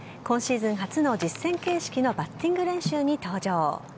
今シーズン初の実戦形式のバッティング練習に登場。